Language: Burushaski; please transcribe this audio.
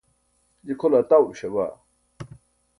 je kʰole atawruśa baa